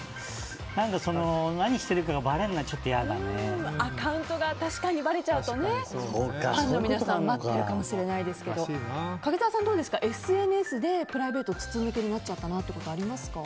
何してるかがばれるのはアカウントがばれちゃうとファンの皆さん待ってるかもしれないですけど柿澤さん、どうですかＳＮＳでプライベートが筒抜けになっちゃったことありますか？